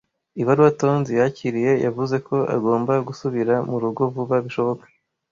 Ibaruwa Tonzi yakiriye yavuze ko agomba gusubira mu rugo vuba bishoboka.